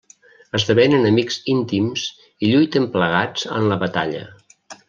Esdevenen amics íntims i lluiten plegats en la batalla.